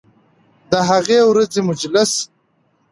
د هغې ورځې مجلس